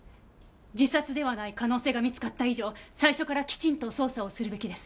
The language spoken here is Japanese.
自殺ではない可能性が見つかった以上最初からきちんと捜査をするべきです。